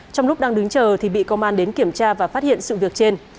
trong lúc đang đứng chờ thì bị công an đến kiểm tra và phát hiện sự việc trên